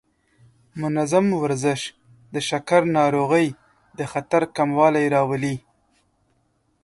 منظم ورزش د شکر ناروغۍ د خطر کموالی راولي.